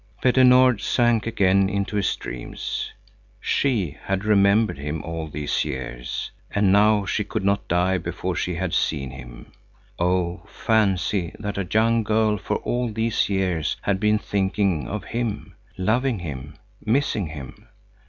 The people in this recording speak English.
Petter Nord sank again into his dreams. She had remembered him all these years, and now she could not die before she had seen him. Oh, fancy that a young girl for all these years had been thinking of him, loving him, missing him!